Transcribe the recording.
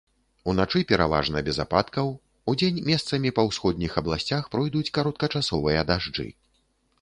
Уначы пераважна без ападкаў, удзень месцамі па ўсходніх абласцях пройдуць кароткачасовыя дажджы.